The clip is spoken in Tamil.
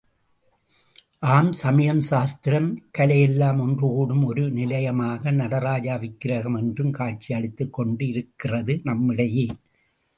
ஆம், சமயம் சாஸ்திரம் கலை எல்லாம் ஒன்றுகூடும் ஒரு நிலையமாக நடராஜ விக்கிரகம் என்றும் காட்சியளித்துக்கொண்டிருக்கிறது நம்மிடையே.